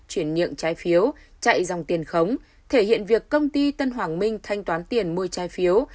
chuyển nhượng trái phiếu chạy dòng tiền khống thể hiện việc công ty tân hoàng minh thanh toán tiền mua trái phiếu